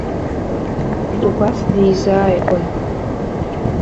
Убас дизааигәан.